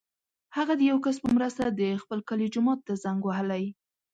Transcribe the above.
هغه د یو کس په مرسته د خپل کلي جومات ته زنګ وهلی.